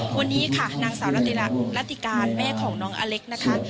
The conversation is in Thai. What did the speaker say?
วันนี้ค่ะนางสาวรัติการแม่ของน้องอเล็กนะคะ